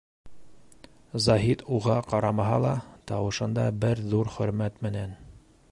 Заһит уға ҡарамаһа ла, тауышында бер ҙур хөрмәт менән: